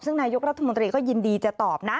ซึ่งนายกรัฐมนตรีก็ยินดีจะตอบนะ